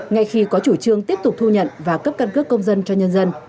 ngay khi có chủ trương tiếp tục thu nhận và cấp căn cước công dân cho nhân dân